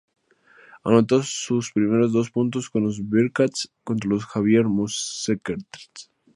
Anotó su primeros dos puntos con los "Bearcats" contra los Xavier Musketeers.